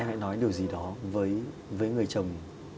em hãy nói điều gì đó với người chồng